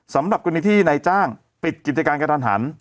สำหรับกรณีที่นายจ้างปิดกิจการกระทันหัน